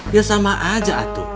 ya sama aja atu